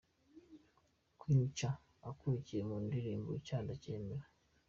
Queen Cha akurikiyeho mu ndirimbo ’Icyaha ndacyemera’.